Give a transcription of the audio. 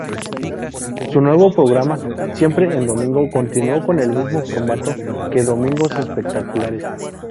Su nuevo programa, "Siempre en Domingo", continuó con el mismo formato que "Domingos Espectaculares".